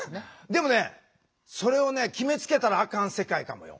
でもねそれを決めつけたらあかん世界かもよ。